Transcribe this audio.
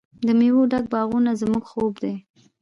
د میوو ډک باغونه زموږ خوب دی.